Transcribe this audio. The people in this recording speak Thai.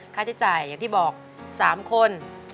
ค่าใช้จ่ายอย่างที่บอก๓คน